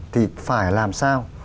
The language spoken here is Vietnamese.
thì phải làm sao